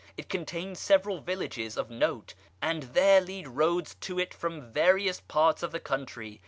It contains several villages of note, and there lead roads to it from various parts of the country.